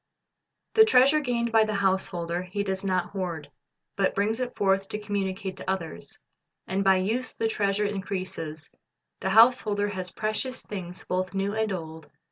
The treasure gained by the householder he does not hoard. He brings it forth to communicate to others. And by use the treasure increases. The householder has precious things both new and old.